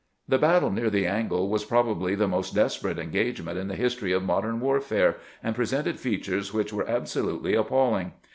The battle near the "angle" was probably the most desperate engagement in the history of modern warfare, and presented features which were absolutely appalling.